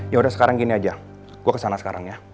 ya udah sekarang gini aja gue kesana sekarang ya